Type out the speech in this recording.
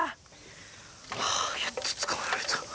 うわー、やっと捕まえられた。